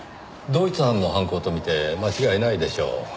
同一犯の犯行と見て間違いないでしょう。